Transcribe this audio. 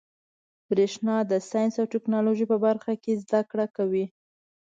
برېښنا د ساینس او ټيکنالوجۍ په برخه کي زده کړي کوي.